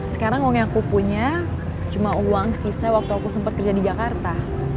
sekarang uang yang aku punya cuma uang sisa waktu aku sempat kerja di jakarta